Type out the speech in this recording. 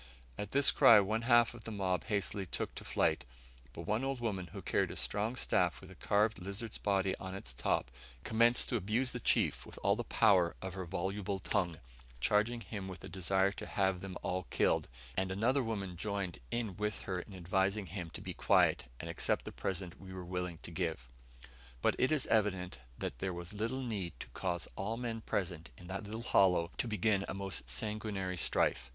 At this cry one half of the mob hastily took to flight, but one old woman, who carried a strong staff with a carved lizard's body on its top, commenced to abuse the chief with all the power of her voluble tongue, charging him with a desire to have them all killed, and other women joined in with her in advising him to be quiet, and accept the present we were willing to give. But it is evident that there was little needed to cause all men present in that little hollow to begin a most sanguinary strife.